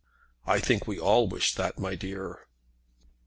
"I think we all wish that, my dear."